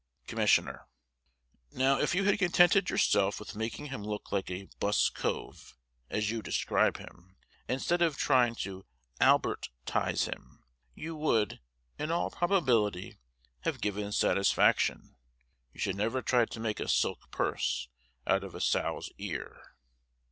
Commissioner: Now if you had contented yourself with making him look like a "buss cove," as you describe him, instead of trying to Albertise him, you would, in all probability, have given satisfaction. You should never try to make a silk purse out of a sow's ear.